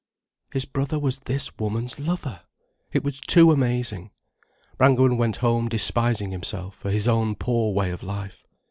His brother was this woman's lover! It was too amazing. Brangwen went home despising himself for his own poor way of life.